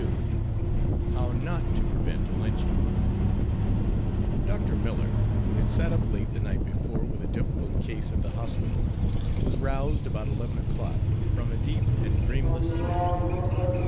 XXII HOW NOT TO PREVENT A LYNCHING Dr. Miller, who had sat up late the night before with a difficult case at the hospital, was roused, about eleven o'clock, from a deep and dreamless sleep.